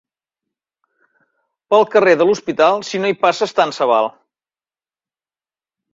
Pel carrer de l'Hospital, si no hi passes tant se val.